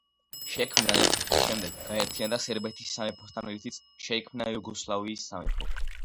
შექმნიდან ერთი თვის შემდეგ გაერთიანდა სერბეთის სამეფოსთან რითიც შეიქმნა იუგოსლავიის სამეფო.